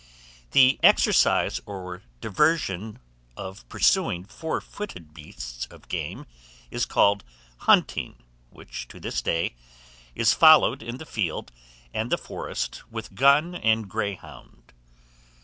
THE EXERCISE OR DIVERSION OF PURSUING FOUR FOOTED BEASTS OF GAME is called hunting, which, to this day, is followed in the field and the forest, with gun and greyhound.